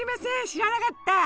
知らなかった！